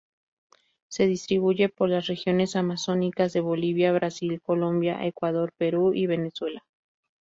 Se distribuye por las regiones amazónicas de Bolivia, Brasil, Colombia, Ecuador, Perú y Venezuela.